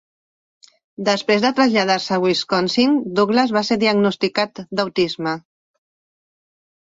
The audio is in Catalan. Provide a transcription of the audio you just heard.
Després de traslladar-se a Wisconsin, Douglas va ser diagnosticat d'autisme.